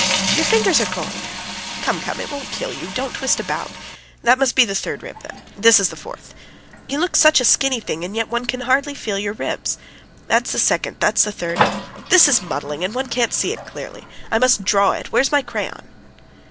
"Your fingers are cold!" "Come, come ... it won't kill you. Don't twist about. That must be the third rib, then ... this is the fourth. ... You look such a skinny thing, and yet one can hardly feel your ribs. That's the second ... that's the third. ... Oh, this is muddling, and one can't see it clearly. ... I must draw it. ... Where's my crayon?"